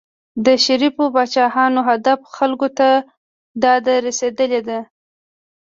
د شریفو پاچاهانو هدف خلکو ته داد رسېدل دي.